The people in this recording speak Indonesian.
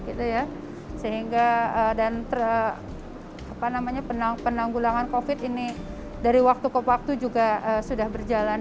gitu ya sehingga dan penanggulangan covid ini dari waktu ke waktu juga sudah berjalan